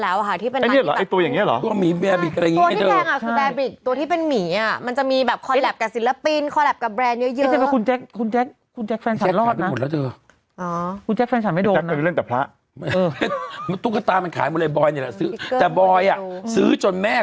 ตัวอย่างนี้หรอตัวมีบี๊กอะไรอย่างนี้เจอ